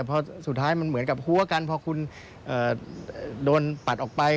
พอสุดท้ายมันเหมือนกับหัวกันพอคุณโดนปัดออกไป